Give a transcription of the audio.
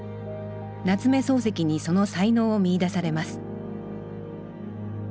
夏目漱石にその才能を見いだされます